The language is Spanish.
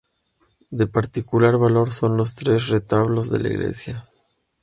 De particular valor son los tres retablos de la iglesia.